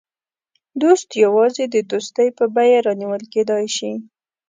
دوست یوازې د دوستۍ په بیه رانیول کېدای شي.